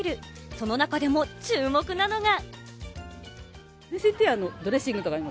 その中でも注目なのが。